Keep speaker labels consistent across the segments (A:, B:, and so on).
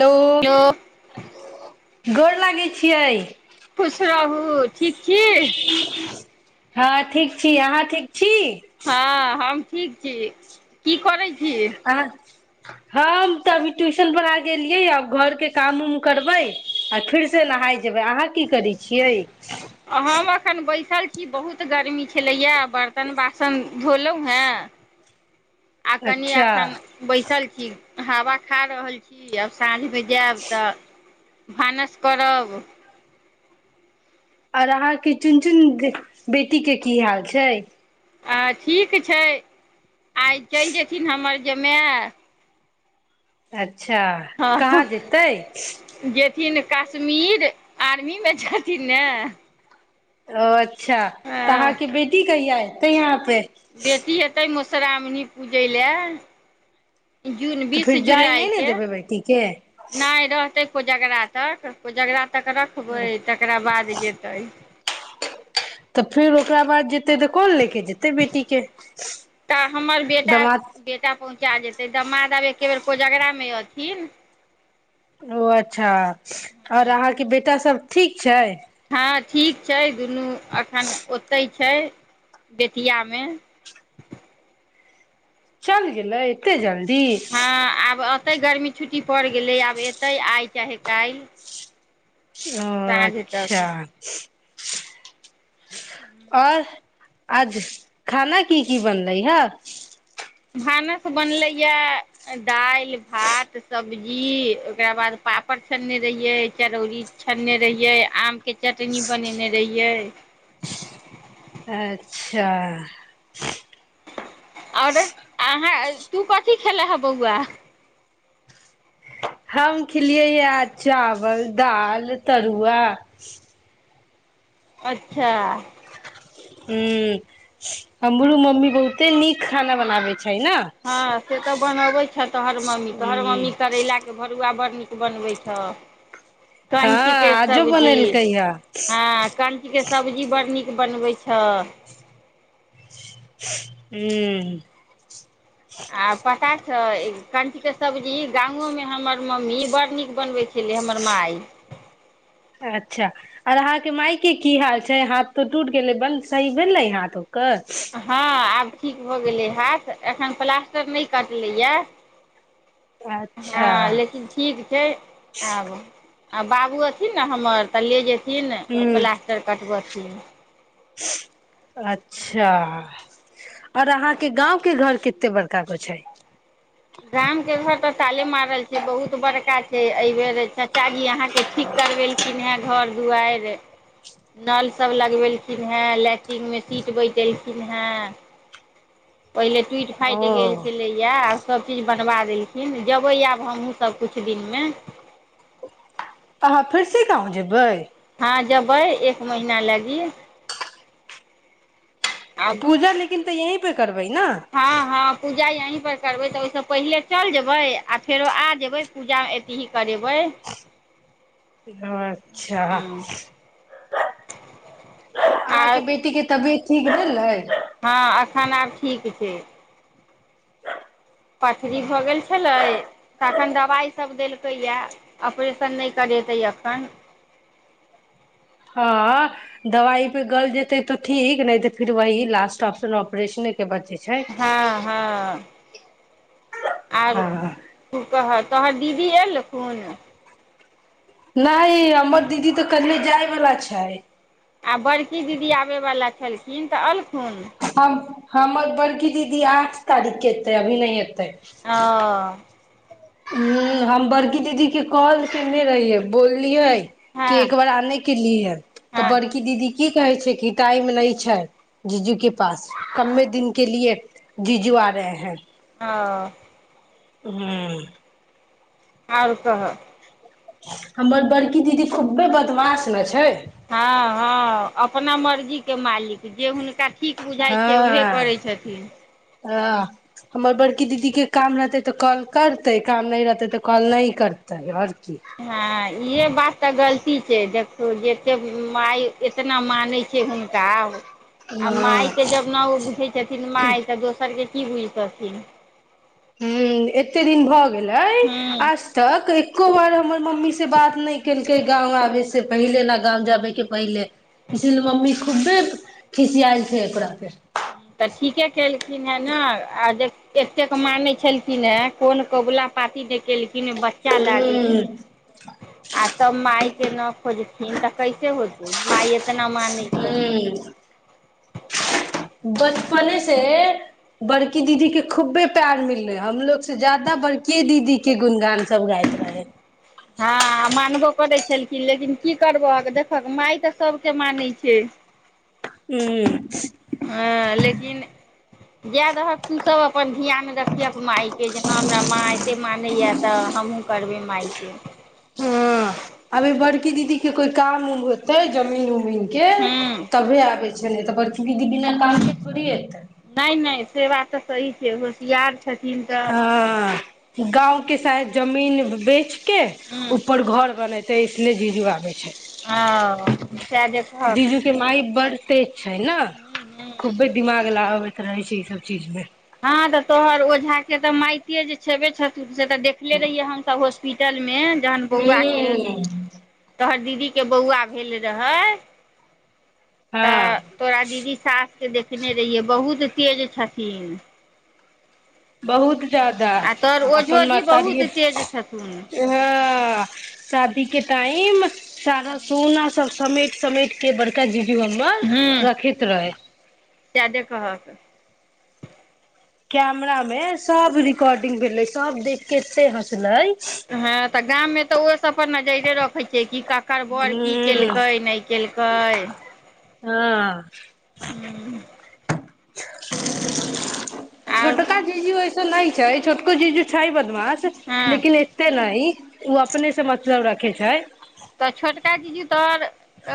A: hello
B: यौउ
A: गोर लागै छियै
B: खुश रहू ठीक छी
A: हँ ठीक छी अहाँ ठीक छी
B: हँ हम ठीक छै की करै छी
A: आहाँ हम तऽ अभी ट्यूशन बला गेलियै आ घर के काम उम करबै आ फिर से नहाय जेबै अहाँ की करै छियै
B: हम हम एखन बैशाल अी बहुत गरमी छलैएा बर्तन बासन धोलहु हें आ कनि
A: अच्छा
B: एखन बैसल छी हवा खा रहल छी आब साँझ बज देब तऽ भानस करब
A: आऔर अहाँके चुन चुन बेटी के की हाल छै
B: हँ ठीक छै आइ चलि जेयथिन हमर जमााय
A: अच्छा अच्छा कहाँ
B: हँ
A: जेतै
B: जेथिन कश्मीर आर्मी मे छथिन ने
A: ओ ओर अच्छा तऽ अहाँ के बेटी कहिया ए तऽ यहाँ पे
B: बेसी एतह मौस मौसश्रामणी पूज लए जून
A: तऽ
B: बीस
A: फेर जाय नहि ने
B: जुलाइके
A: देबै बेटीके
B: नहि रहतै कोजगरा तक कोजगरा तक रखबै तकरा बाद जेतै
A: तबज तऽ एह बेर कोन ले के जेतै बेटी के
B: तऽ हमर बेटा
A: दमाद
B: बेटा पहुँचा जेतै तऽ माधव दब एके बेर कोजगरा मे अथिन
A: ओ अच्छा आओर अहाँके बेटासब ठीक छै
B: हँ ठीक छै दुनू अखन ओतहि छै बेतियामे
A: चल गेल ल एते जल्दी
B: हँ आब
A: तीस
B: एतै गर्मी छुट्टी पड़ि गेलै आब एतै आइ चाहे काल्हि
A: ओ
B: साँझ तक
A: अच्छा आओर आज खाना की की बनलै हा
B: भानस बनलैए दालि भात सब्जी ओकरा बाद पापड़ छनने रहियै चरौरी छनने रहियै आमके चटनी बनेने रहियै
A: अच्छा
B: आओर अहाँ तू कथी खेलां हन बौआ
A: हम खिलियै यै चावल दाल तरुआ
B: अच्छा
A: हुँ हमरो मम्मी बहुते नीक खाना बनाबे छै ने ह
B: हँ से तऽ बनबै छथि हर मम्मी तऽ हर मम्मी करैला के भरुआ बड़ नीक बनबै छह
A: हँ
B: कञच के
A: आजो
B: सब्जी
A: बनेलकै हे ह
B: हँ कञ के सब्जी बड़ नीक बनबै छी त हाँ
A: हुँ
B: आ पका छऽ कणच के सब्जी गामोमे हमर मम्मी बड़ नीक बनबै छलै हमर मााय
A: अच्छा आर अहाँके माायके की हाल छै हाथ तो टूट गेलै बन्द सही भेलै हाथ ओकर
B: हँ आब ठीक भऽ गेलै हाथ एखन प्लास्टर नहि कटलैया हँ
A: अच्छा
B: लेकिन ठीक छै आब आ बाबू अथिन न हमर तऽ ले जेथि से ने
A: हूँ
B: प्लास्टर कटबऽ न
A: अच्छा आऔर अहाँके गाँव के घर कते बड़का को छै
B: गाम के घर तऽ ताले मारल छै बहुत बड़का छै एहि बेेर चाचाजी अहाँके ठीक करवेलखिन हें घर दुआरि नल सब लगवेलखिन हे लैट्रंग मे सीट बैठेलखिन हे पहिले टुटि फाटि गेल
A: ओ
B: छलैया सभ चीज बनबा देलखिन जेबै आब हमहुँ सब कछु दिनमे
A: अहाँ फिर से गाँव जेबै
B: हँ जेबै एक महिना लागी आ
A: पूजा लेकिन त यही [unintelligible] बै ना
B: हँ हँ पूजा यही पर करबै तऽ ओहिसँ पहिले चलि जेबै आ फेरो आ जेबै पूजा एतही करेबै
A: अच्छा
B: हूँ
A: अहाँके
B: आर
A: बेटी के तबियत ठीक भेलै
B: हँ एखन आब ठीक छै पथरी भऽ गेल छलै तखन दबाइ सब देल देलकै या ऑपरेशन नहि करेतै अखन
A: हँ दवाइ पे गल जेतै तऽ ठीक नहि तऽ फिर वही लास्ट ऑप्शन ऑपरेशन
B: हँ हँ आर
A: हँ
B: कु कहत तोहर दीदी एल खुन
A: नइ हमर दीदी तऽ कल्ले जाय वला छैथ
B: आ बड़की दीदी आबय वला छलखिन तऽ अल
A: हम हमर बड़की दीदी आठ तारीखके एतै अभी नइ एतै तै ऽ
B: ओ
A: हूँ हम बड़की दीदी के कॉल केने रहियै बोललियै कि
B: हँ
A: एक बार आने के लिए तऽ
B: हँ
A: बड़की दीदी की कहे छै कि टाइम नइ छै जीजू के पास कमे दिन के लिए जीजू आ रहे है
B: ओ
A: हूँ
B: आर कहअ
A: हमर बड़की दीदी खुब्बे बदमाश न छै
B: हँ हँ अपना मर्जी जी के मालिक जे हुनका ठीक बुझाइ छै उहे
A: हँ
B: करैय छथिन
A: हँ हमर बड़की दीदीके काम रहतै तऽ कॉल करतै काम नहि रहतै तऽ कॉल नहि करतै आओर की
B: हँ ईहे बात तऽ गलती व्यक्तिके देखो जते माय एतना माने छै छै हुनका आ माय
A: हँ
B: के जब न ओ बुझै छथिन माय तऽ दोसर के की बुझैत छथिन
A: हू एते दिन भऽ भेलय
B: हूँ
A: आज तक एको बार हमर मम्मी से बात नहि केल के गाँंव आबे से पहिले ने गाँव जाबे के पहिले इसीलिए मम्मी खूबे खिसियाल छै ओकरा पे
B: तऽ ठीके केलखिन हेँ ने आ देख एतेक माने छलखिन ह कोन कबुला पाात देखेलखिन किने बच्चा लागि
A: हूँ
B: आ तब माय के नाम एलखिन तऽ कैसे होते मायइ एतना मान
A: हुँ बचपने से बड़की दीदी के खूबे प्यार मिलले हमलोग से ज्यादा बड़की दीदी के गुणगान सब गइत रहे
B: हँ मानबो करै छलखिन लेकिन की करबह देखह मााय तऽ सभके मानै छै
A: हू
B: हँ लेकिन जाय दहक तू सब अपन धिया मे रख माय के जे हं हमरा माँ एते मानैय तऽ हमहुूँ करबै मायके
A: हँ अभी बड़की दीदी के कोई काम उम होतेै जमीन उम घुमे के
B: हूँ
A: तभे आबे छै छैल तऽ बरकी दीदी काम थोड़ी एतै
B: नहि नहि से बा तऽ सही छै होशियार छथिन तऽ
A: गाँवके शायद जमीन बेच के
B: हूँ
A: ऊपर घर बन छै त इसने जीजू आबै छै
B: एओ साह देखहक
A: पर तेज छै ने
B: हूँ हूँ
A: खूबे दिमाग लगाब कर रहै छै ई सब चीजमे
B: हँ तऽ तोहर ओझाके तऽ माइते जे छेबे छ से तऽ देखले रहियै हमस हॉस्पिटलमे जहन बौआ के
A: हूँ
B: तोहर दीदी के बौआ भेल रहै तऽ
A: हँ
B: तोरा दीदी साफ के देखने रहियै बहुत तेज छथिन
A: बहुत जादाा
B: आ तोहर
A: अपन
B: ओझोजी
A: मातारी
B: बहुत
A: ह
B: तेज छथुन
A: शादी के तहिमे सारा सोना सब समेट समेट के बड़का ज इ बम्बा
B: हूँ
A: मे रखैत रहै
B: सएह देखहक
A: कैमरा मे सब रिकॉर्डिंग भेले सब देख केे हँसल
B: तेय जे रखै छै कि ककरबर की
A: हूँ
B: केलकै नहि केलकै
A: हाँ [unintelligible]
B: आर
A: छोटका जीजू एस नहि छै छोटको जीजू छाय बदमास वास
B: हँ
A: लेकिन एते नहि ओ अपने से मतलब रख के छै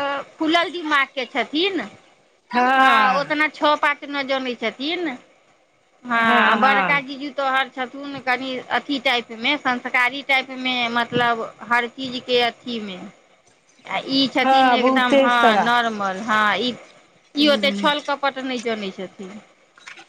B: अ फुलल दिमाग के छथिन हँ ओतना छओ पाँच ना जनै छथिन हँ बड़का जीजू तऽ हर छथुन कनि अथी टाइपमे संस्कारी टाइपमे मतलब हर चीजके अथीमे आ ई छथिन
A: हँ
B: एकदम
A: बहुते
B: हँ
A: तरह
B: नॉर्मल हँ ई ई ओते
A: ह
B: छल कपट न जानै छै छथि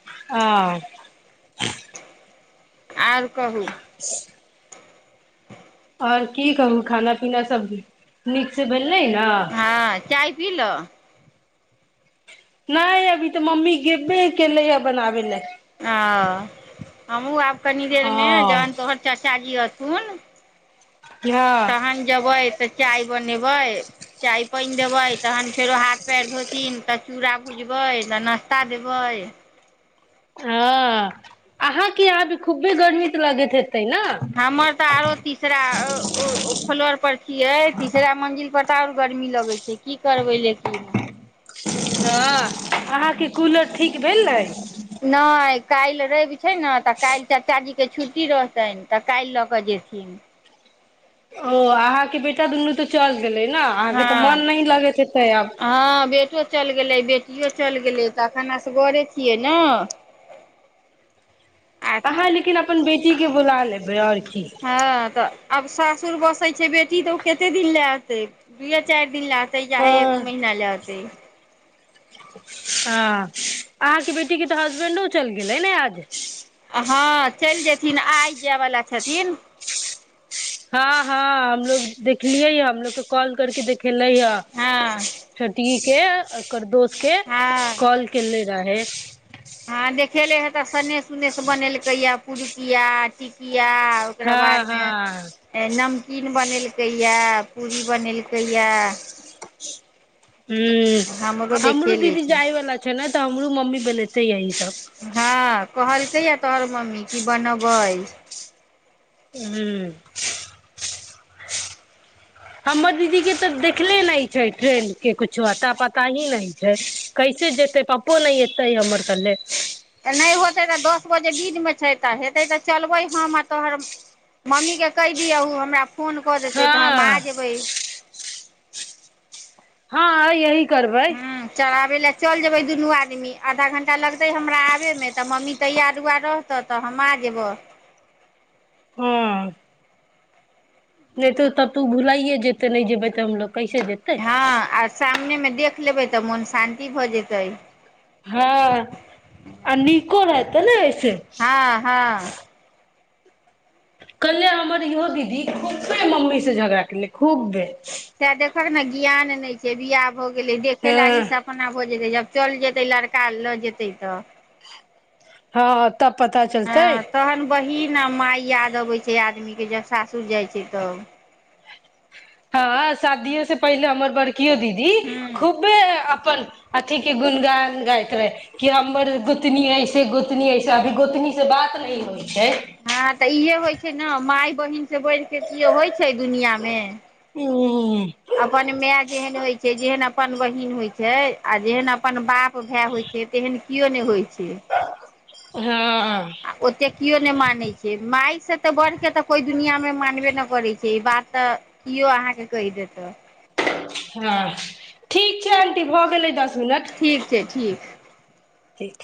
A: आह हाँ
B: ह आओर कहू
A: आओर की करू खाना पीना सब नीक सँ बनि लै ने
B: पिलअ
A: नहि अभी तऽ मम्मी अबे केेलेहन बनाबै लए
B: आ हमहूँ आब कनी देर मे
A: हँ
B: जहन तोहर चर्चा जिअत कोून
A: हँ
B: तहन जेबै तऽ चाय बनेबै चाय पहि देबइ तहन फेरो हाथ पएर धोथिन तऽ चूड़ा भुजबै तऽ नाश्ता देबै
A: हाँ अहाँ क यहाँ भ खुबे गर्मित लगैत हे
B: हमर तऽ आरो तीसरा फ्लोर पर छियै तीसरा मंजिल पर का आओर गर्मी लगै छै की करबै लेकिन
A: हँ अहाँके कूलर ठीक भेल ने
B: नहि काल्हि रवि छै ने तऽ काल्हि चाचाजीके छुट्टी रहतनि तऽ काल्हि लऽ कऽ जेथिन
A: ओ अहाँके बेटा दुनू तऽ चल गेल ने अहाँके तऽ
B: हँ
A: मन लगैत हेतै आब
B: हँ बेटो चलि गेलै बेटियो चलि गेलै तऽ खन से घरे छियै ने आ
A: अहाँ लेकिन अब अपन बेटीक के बुला लेबै आओर की
B: हँ तऽ अब सभ सासूर बसै छै बेटी तऽ ओ कते दिन लेते दुए चारि दिन दिन लाय एतै चाहे एक महिना ल एतै
A: हाँ अन्हा कें बेटी कें हस्बेंड चलि गेल ने आज
B: छथिन आइ जाय वलाा छथिन
A: ह हा हमलोग देखलियै हमलोग के कॉल करके देख खेलै हा
B: हँ
A: छतीस के एकर दोस्त के
B: हँ
A: कॉल कले जााहर
B: हँ देखेले हे तऽ सन्नेस उन्नेस बनेलकैए पिड़ुकिया टिकी य ओकरा
A: हँ
B: बाद
A: हँ
B: मे नमकीन बनेलकै या पूरी बनेलकै यए
A: हुँ हमरो
B: देखेले
A: दीदी
B: छी
A: जाय वालला छै ने तऽ हमरू मम्मी बलैेते एहिठाम तब
B: हँ कहलकै या तोहर मम्मी की बनबै
A: हुँ हमर दीदी के तऽ देखले नहि छै ट्रेंड के कुछो अता पता ही नहि छै कैसे जेतै पपो नहि एतै हमर कहे
B: ओ जे दिन मे छै तऽ हेतै तऽ चलबै हम आ तोहर मम्मी के कहि दियौ हमरा फोन कऽ देते तऽ हम आ
A: हँ
B: जेबै
A: हँ अ यह
B: हुँ चराबे लए चल जेबै दुनू आदमी आधा घण्टा लगतै हमरा आबयमे तऽ मम्मी तैयार उआार रहतऽ तऽ हम आ जेबह
A: हुँ नहि तो तब तू भुलाइे जेते नहि जेबै ते हमलोग कैसे हेतैय
B: हँ आ सामनेमे देख लेबै तऽ मन शान्ति भऽ जेतै
A: हँ आ निको रहतै न
B: हँ हँ
A: कहलिये हमर इहो दीदी खुब्बे मम्मी से झगड़ा केलै खुब्बे
B: से देखक ने ज्ञान नहि छै बियाह हो गेलै देखे
A: हँ
B: लागी से अपना हो जेतै जब चल जेतै लड़का लऽ जेतै तऽ
A: हँ तब पता चलतैै
B: दबै छै आदमीके जब सासुर जाइ छै तब
A: हँ शादियो से पहिले अमर बड़ कियो दीदी
B: हूँ
A: खूबे अ अपन अथी के गुनगान गइत रहे कि हमर गोतनी ऐसे गोतनी ऐसे अभी गोतनी से बात नइ होइ छै
B: हँ तऽ इहे होइ छै न माय बहिन से बढ़ के केओ होइ छै दुनिया मे
A: उ
B: अपन माय जेहन होइ छै जेहन अपन बहिन होइ छै आ जेहन अपन बाप भाय होइ छै तेहन केओ नइ होइ छै
A: हँ
B: आ ओतेक केओ नहि मानै छै माय सँ तऽ बढ़के तऽ कोइ दुनिया मे मानबे न करै छै ई बात तऽ कियो अहाँके कहिदेत तऽ
A: हँ ठीक छै आंटी भऽ गेलै दस मिनट
B: ठीक छै ठीक
A: ठीक